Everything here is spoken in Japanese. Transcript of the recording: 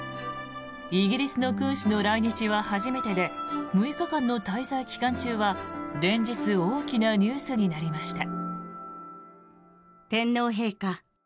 イギリスの君主の来日は初めてで６日間の滞在期間中は連日、大きなニュースになりました。